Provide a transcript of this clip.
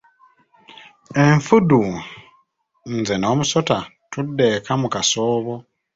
Enfudu, Nze n'omusota tudda ekka mu kasoobo.